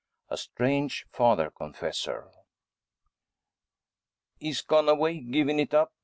A STRANGE FATHER CONFESSOR. "He's gone away given it up!